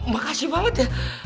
makasih banget ya